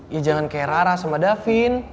ya jangan kayak rara sama davin